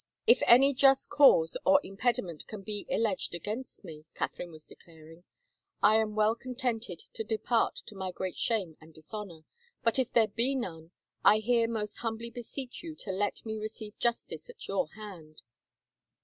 If any just cause or impediment can be alleged against me," Catherine was declaring, " I am well con tented to depart to my great shame and dishonor, but if there be none, I here most hiunbly beseech you to let me receive justice at your hand."